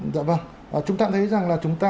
dạ vâng chúng ta thấy rằng là chúng ta